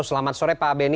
selamat sore pak benny